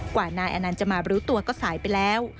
กว่านายอนานจะมาบริ้วตัวก็สายไปแล้ว